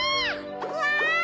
うわ！